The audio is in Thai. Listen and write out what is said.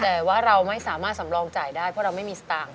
แต่ว่าเราไม่สามารถสำรองจ่ายได้เพราะเราไม่มีสตางค